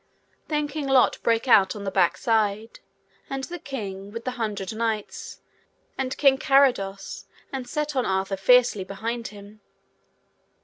Then King Lot brake out on the back side, and the King with the Hundred Knights, and King Carados, and set on Arthur fiercely behind him.